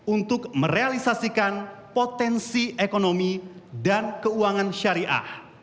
untuk merealisasikan potensi ekonomi dan keuangan syariah